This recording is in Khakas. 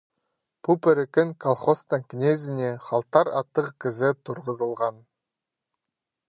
Пу піріккен колхозтың кнезіне Халтар аттығ кізі турғызылған.